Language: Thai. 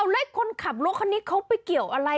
แล้วคนขับรถคันนี้เขาไปเกี่ยวอะไร